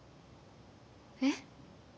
えっ？